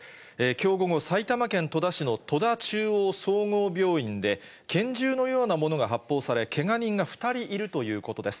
きょう午後、埼玉県戸田市の戸田中央総合病院で、拳銃のようなものが発砲され、けが人が２人いるということです。